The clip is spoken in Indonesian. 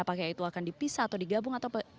apakah itu akan dipisah atau digabung atau